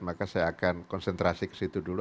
maka saya akan konsentrasi ke situ dulu